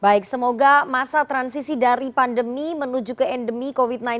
baik semoga masa transisi dari pandemi menuju ke endemi covid sembilan belas